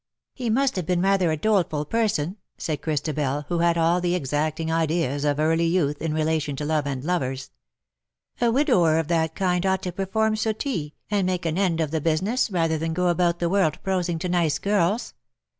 ^'^" He must bave been ratber a doleful person/^ said Cbristabelj wbo bad all tbe exacting ideas of early youtb in relation to love and lovers. " A widower of tbat kind ougbt to perform suttee, and make an end of tbe business,, ratber tban go about tbe world prosing to nice girls.